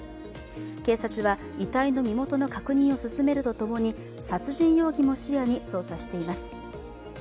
警察は遺体の身元の確認を進めるとともに、殺人容疑も視野に捜査しています。